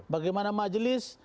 dua bagaimana majelis